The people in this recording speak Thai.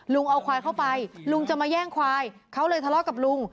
ลุงเอาควายเข้าไปลุงจะมาแย่งควายเขาเลยทะเลาะกับลุง